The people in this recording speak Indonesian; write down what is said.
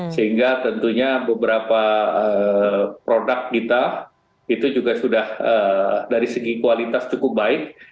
sehingga tentunya beberapa produk kita itu juga sudah dari segi kualitas cukup baik